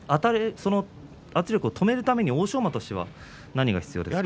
圧力を止めるために欧勝馬としては何が必要ですか。